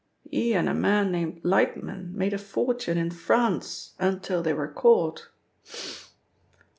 He and a man named Lightman made a fortune in France until they were caught.